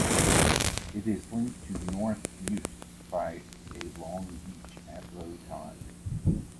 It is linked to North Uist by a long beach at low tide.